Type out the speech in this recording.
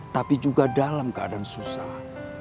tapi juga dalam keadaan susah